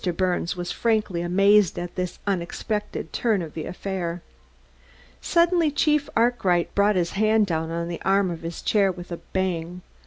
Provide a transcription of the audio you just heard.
Birnes was frankly amazed at this unexpected turn of the affair. Suddenly Chief Arkwright brought his hand down on the arm of his chair with a bang.